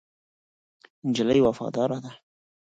نجلۍ وفاداره ده.